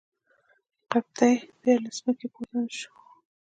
قبطي بیا له ځمکې پورته نه شو.